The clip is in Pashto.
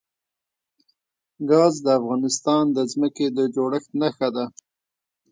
ګاز د افغانستان د ځمکې د جوړښت نښه ده.